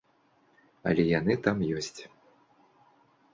Але яны там ёсць.